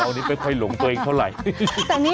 เรานี่ไปค่อยหลงตัวเองเท่าไร